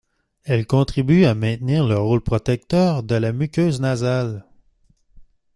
Elle contribue à maintenir le rôle protecteur de la muqueuse nasale.